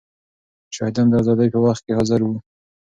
شاهدان د ازادۍ په وخت کې حاضر وو.